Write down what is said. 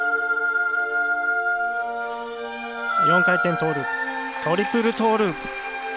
４回転トーループ、トリプルトーループ。